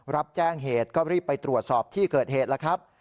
รับแจ้งเหตุก็รีบไปตรวจสอบที่เกิดเหตุแล้วครับ